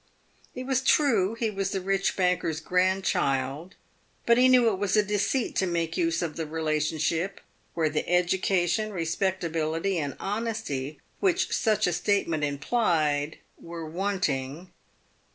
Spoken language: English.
It was true he was the rich banker's grandchild, but he knew it was a deceit to make use of the relation ship, where the education, respectability, and honesty which such a statement implied were wanting.